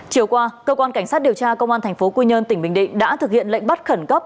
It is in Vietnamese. chiều qua cơ quan cảnh sát điều tra công an tp quy nhơn tỉnh bình định đã thực hiện lệnh bắt khẩn cấp